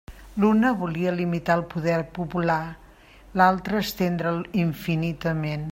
L'una volia limitar el poder popular, l'altra estendre'l infinitament.